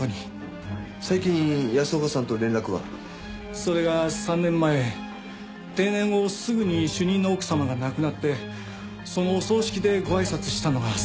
最近安岡さんと連絡は？それが３年前定年後すぐに主任の奥様が亡くなってそのお葬式でごあいさつしたのが最後で。